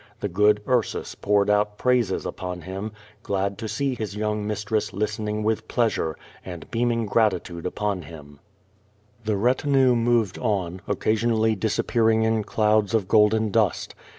The good Ursus ]x>ured out praises upon him, glad to see liis young mistress listening with pleasure^ and beaming gratitude upon him. QVO VADIS. 279 The retinue moved on, occasionally disappearing in clouds of golden dust.